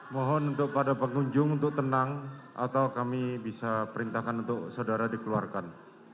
mohon untuk pada pengunjung untuk tenang atau kami bisa perintahkan untuk saudara dikeluarkan